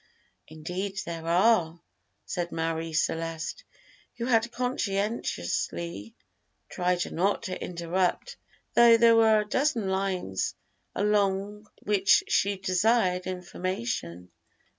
"Indeed there are," said Marie Celeste, who had conscientiously tried not to interrupt, though there were a dozen lines along which she desired information.